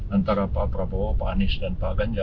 antara pak prabowo pak anies dan pak ganjar